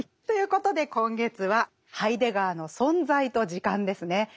ということで今月はハイデガーの「存在と時間」ですね。